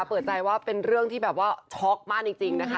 เปิดใจว่าเป็นเรื่องที่แบบว่าช็อกมากจริงนะคะ